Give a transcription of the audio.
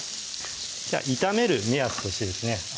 炒める目安としてですね